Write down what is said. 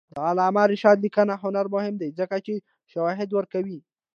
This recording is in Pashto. د علامه رشاد لیکنی هنر مهم دی ځکه چې شواهد ورکوي.